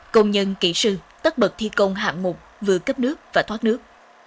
công nhân kỹ sư tất bật thi công hạng mục vừa cấp nước và thoát nước